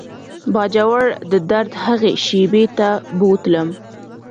باجوړ د درد هغې شېبې ته بوتلم.